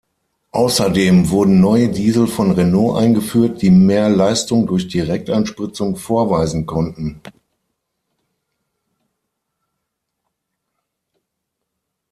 Außerdem wurden neue Diesel von Renault eingeführt, die mehr Leistung durch Direkteinspritzung vorweisen konnten.